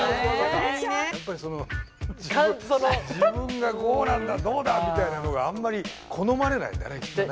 やっぱりその自分がこうなんだどうだみたいなのがあんまり好まれないんだねきっとね。